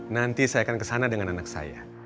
nanti saya akan kesana dengan anak saya